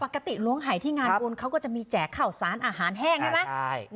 ล้วงหายที่งานบุญเขาก็จะมีแจกข้าวสารอาหารแห้งใช่ไหม